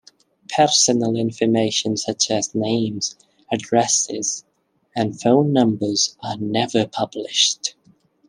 Personal information such as names, addresses, and phone numbers are never published.